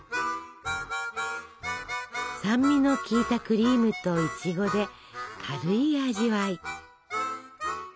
酸味の効いたクリームといちごで軽い味わい。